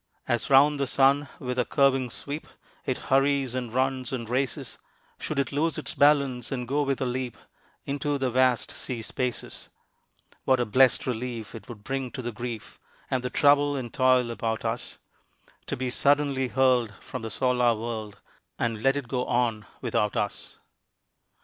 As 'round the sun with a curving sweep It hurries and runs and races, Should it lose its balance, and go with a leap Into the vast sea spaces, What a blest relief it would bring to the grief, And the trouble and toil about us, To be suddenly hurled from the solar world And let it go on without us.